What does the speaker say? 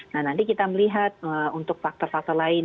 nah nanti kita melihat untuk faktor faktor lain